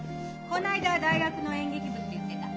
こないだは大学の演劇部って言ってた。